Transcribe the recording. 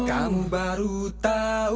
kamu baru tau